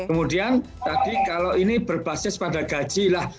kemudian tadi kalau ini berbasis pada gaji lah